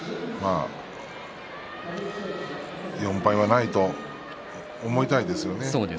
４敗はないと思いたいですよね。